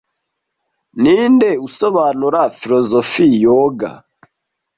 Ninde usobanura filozofiya yoga